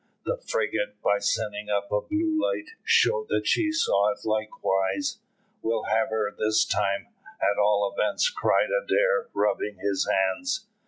The frigate, by sending up a blue light, showed that she saw it likewise. "We'll have her this time, at all events," cried Adair, rubbing his hands.